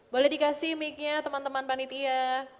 boleh dikasih micnya teman teman panitia